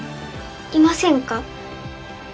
いませんか？